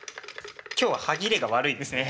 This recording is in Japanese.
今日は歯切れが悪いですね。